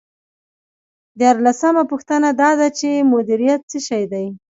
دیارلسمه پوښتنه دا ده چې مدیریت څه شی دی.